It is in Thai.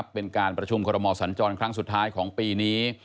เป็นการประชุมคอรมอสัญจรครั้งสุดท้ายของปีนี้